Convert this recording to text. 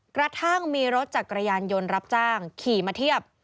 กระทั่งมีรถจักรยานยนต์รับจ้างขี่มาเทียบ